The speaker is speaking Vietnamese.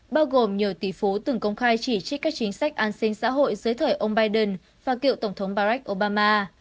bao gồm nhiều tỷ phú từng công khai chỉ trích các chính sách an sinh xã hội dưới thời ông biden và cựu tổng thống barack obama